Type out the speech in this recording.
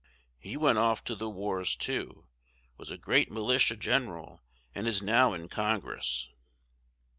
"He went off to the wars, too; was a great militia general, and is now in Congress."